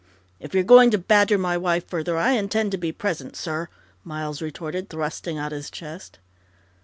"If you're going to badger my wife further, I intend to be present, sir!" Miles retorted, thrusting out his chest.